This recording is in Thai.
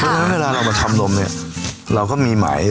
เพราะฉะนั้นเวลาเรามาทำนมเนี่ยเราก็มีไหม